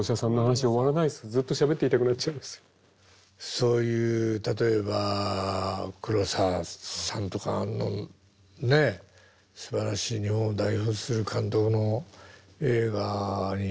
そういう例えば黒澤さんとかのねえすばらしい日本を代表する監督の映画に出たかったでしょうね。